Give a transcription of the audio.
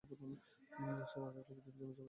সে না থাকলে পৃথিবী থেমে যাবে।